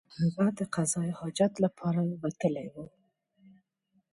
هغه د قضای حاجت لپاره وتلی وو.